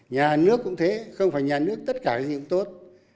nhà nước cũng thế không phải nhà nước tất cả gì cũng tốt